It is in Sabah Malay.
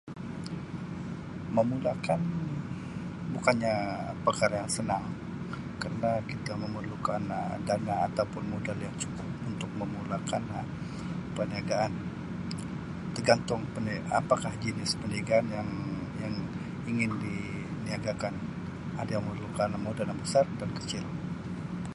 Memulakan bukannya perkara yang senang kerna kita memerlukan Um dana ataupun modal yang cukup untuk memulakan Um perniagaan tergantung pernia- apakah jenis perniagaan yang-yang ingin diniagakan, ada yang memerlukan modal yang besar dan kecil.